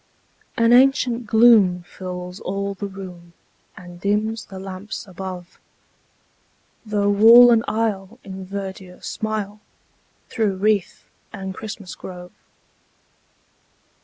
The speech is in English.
An ancient gloom fills all the room, And dims the lamps above, Though wall and aisle in verdure smile, Through wreath and Christmas grove.